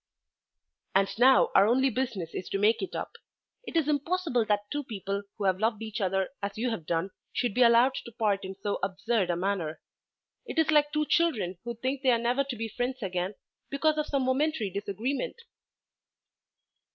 "And now our only business is to make it up. It is impossible that two people who have loved each other as you have done should be allowed to part in so absurd a manner. It is like two children who think they are never to be friends again because of some momentary disagreement."